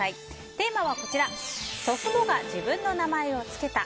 テーマは祖父母が自分の名前をつけた。